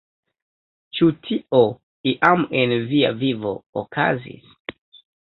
Ĉu tio, iam en via vivo, okazis?